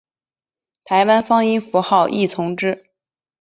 台湾方音符号亦从之。